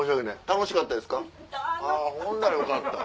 楽しかった！